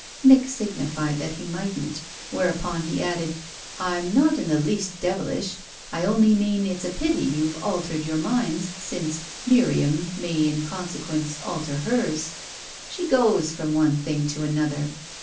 Nick signified that he mightn't; whereupon he added: "I'm not in the least devilish I only mean it's a pity you've altered your minds, since Miriam may in consequence alter hers. She goes from one thing to another.